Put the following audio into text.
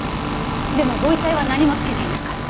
でもご遺体は何も着けていなかった。